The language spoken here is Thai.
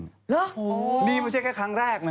นี่มันไม่ใช่แค่ครั้งแรกนะ